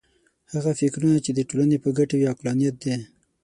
هغه فکرونه چې د ټولنې په ګټه وي عقلانیت دی.